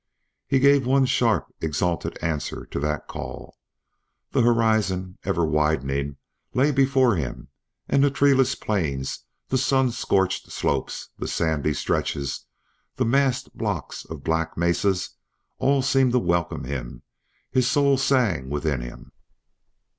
He gave one sharp exultant answer to that call. The horizon, ever widening, lay before him, and the treeless plains, the sun scorched slopes, the sandy stretches, the massed blocks of black mesas, all seemed to welcome him; his soul sang within him.